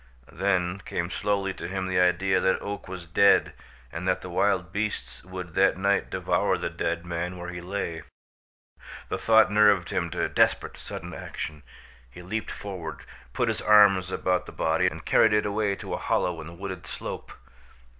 Then came slowly to him the idea that Oak was dead and that the wild beasts would that night devour the dead man where he lay. The thought nerved him to desperate, sudden action. He leaped forward, he put his arms about the body and carried it away to a hollow in the wooded slope.